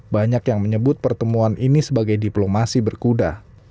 banyak yang menyebut pertemuan ini sebagai diplomasi berkuda